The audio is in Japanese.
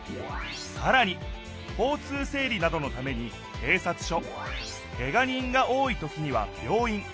さらに交通せい理などのためにけいさつ署けが人が多いときには病院。